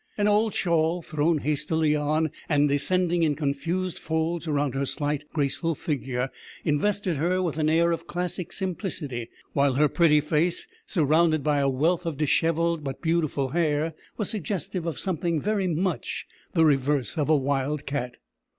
An old shawl thrown hastily on, and descending in confused folds around her slight, graceful figure, invested her with an air of classic simplicity, while her pretty face, surrounded by a wealth of dishevelled, but beautiful, hair, was suggestive of something very much the reverse of a wild cat.